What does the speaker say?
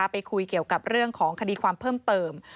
ไปคุยเกี่ยวกับเรื่องของคดีความเพิ่มเติม